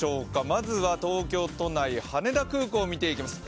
まずは東京都内羽田空港を見ていきます。